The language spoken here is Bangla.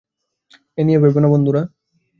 এ নিয়ে ভেবো না বন্ধুরা।